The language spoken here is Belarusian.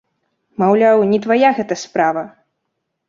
Маўляў, не твая гэта справа!